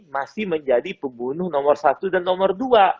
masih menjadi pembunuh nomor satu dan nomor dua